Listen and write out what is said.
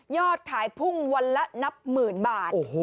อดขายพุ่งวันละนับหมื่นบาท